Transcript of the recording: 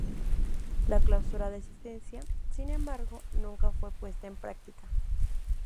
La cláusula de asistencia, sin embargo, nunca fue puesta en práctica.